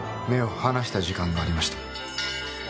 目を離した時間がありました